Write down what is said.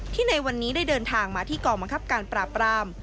ในวันนี้ได้เดินทางมาที่กองบังคับการปราบราม